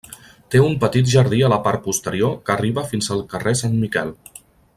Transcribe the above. Té un petit jardí a la part posterior que arriba fins al carrer Sant Miquel.